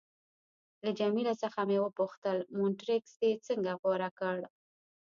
له جميله څخه مې وپوښتل: مونټریکس دې څنګه غوره کړ؟